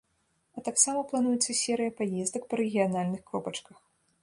А таксама плануецца серыя паездак па рэгіянальных кропачках.